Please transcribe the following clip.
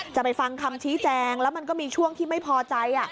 จะไปฟังคำชี้แจงแล้วมันก็มีช่วงที่ไม่พอใจ